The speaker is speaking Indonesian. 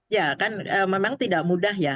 ya kan memang tidak mudah ya